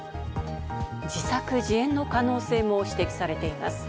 自作自演の可能性も指摘されています。